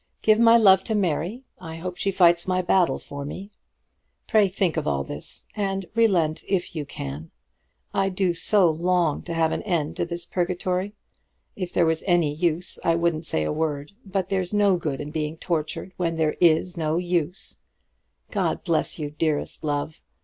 Give my love to Mary. I hope she fights my battle for me. Pray think of all this, and relent if you can. I do so long to have an end of this purgatory. If there was any use, I wouldn't say a word; but there's no good in being tortured, when there is no use. God bless you, dearest love.